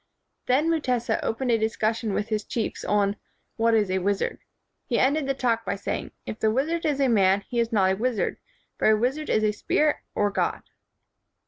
Then Mutesa opened a discussion with his chiefs on "What is a wizard?" He ended the talk by saying, "If the wizard is a man, he is not a wizard ; for a wizard is a spirit or god."